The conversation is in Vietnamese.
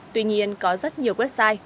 tuy nhiên có rất nhiều website